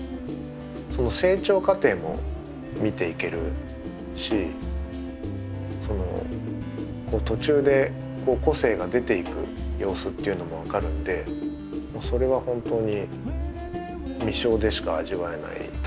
その成長過程も見ていけるし途中で個性が出ていく様子っていうのも分かるんでそれは本当に実生でしか味わえない楽しさだと思ってます。